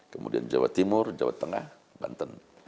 kemudian jawa timur jawa tengah banten